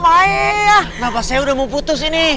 kenapa saya mau putus ini